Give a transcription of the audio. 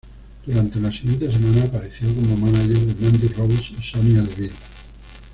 Durante las siguientes semanas, apareció como mánager de Mandy Rose y Sonya Deville.